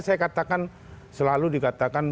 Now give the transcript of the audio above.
saya katakan selalu dikatakan